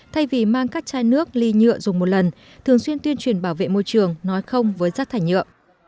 thay vì mang các chai nước ly nhựa dùng một lần thường xuyên tuyên truyền bảo vệ môi trường nói không với rác thải nhựa